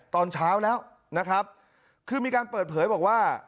ตอนเช้าแล้วนะครับคือมีการเปิดเผยบอกว่า